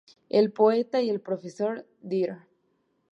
El poeta y el profesor Dr.